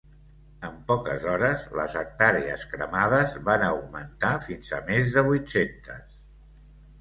En poques hores les hectàrees cremades van augmentar fins a més de vuit-cents.